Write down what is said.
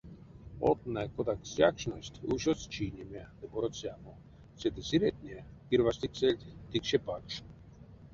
Одтнэ, кодак стякшность, ушодсть чийнеме ды бороцямо, седе сыретне кирвастиксэльть тикше пакш.